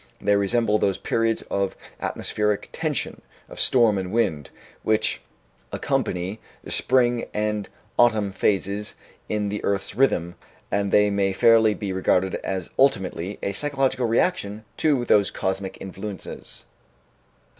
They resemble those periods of atmospheric tension, of storm and wind, which accompany the spring and autumn phases in the earth's rhythm, and they may fairly be regarded as ultimately a physiological reaction to those cosmic influences.